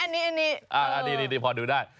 อันนี้อันนี้อันนี้พอดูได้